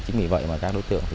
chính vì vậy các đối tượng